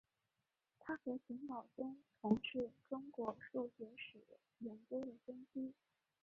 他和钱宝琮同是中国数学史研究的先驱。